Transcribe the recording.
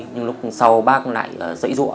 nhưng lúc sau bác lại dậy rụa